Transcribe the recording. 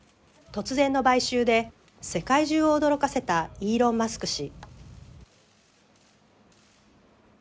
突然の買収で世界中を驚かせたイーロン・マスク氏。